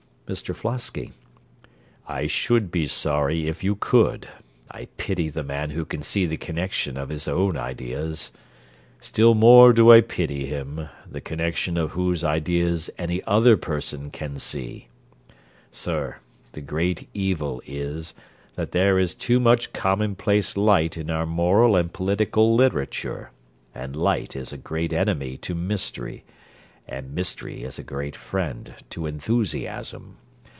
MR FLOSKY I should be sorry if you could; I pity the man who can see the connection of his own ideas. Still more do I pity him, the connection of whose ideas any other person can see. Sir, the great evil is, that there is too much common place light in our moral and political literature; and light is a great enemy to mystery, and mystery is a great friend to enthusiasm.